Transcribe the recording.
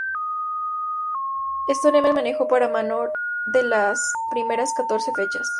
Stoneman manejó para Manor en las primeras catorce fechas.